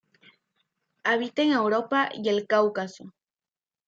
Habita en Europa y el Cáucaso.